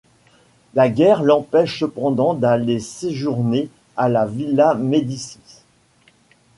La guerre l’empêche cependant d’aller séjourner à la Villa Médicis.